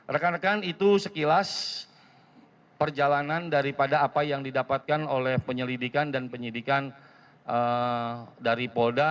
rekan rekan itu sekilas perjalanan daripada apa yang didapatkan oleh penyelidikan dan penyidikan dari polda